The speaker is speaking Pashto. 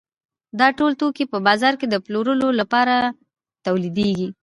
دا ټول توکي په بازار کې د پلورلو لپاره تولیدېږي